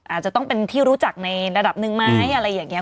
อาจจะต้องเป็นที่รู้จักในระดับหนึ่งไหมอะไรอย่างนี้